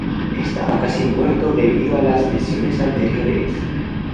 Estaba casi muerto debido a las lesiones anteriores.